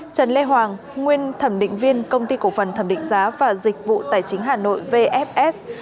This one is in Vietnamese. trần lê hoàng nguyên thẩm định viên công ty cổ phần thẩm định giá và dịch vụ tài chính hà nội vfs